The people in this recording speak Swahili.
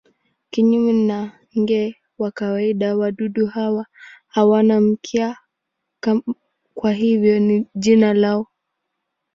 Kinyume na nge wa kawaida wadudu hawa hawana mkia, kwa hivyo jina lao.